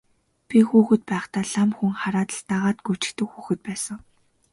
Би хүүхэд байхдаа лам хүн хараад л дагаад гүйчихдэг хүүхэд байсан.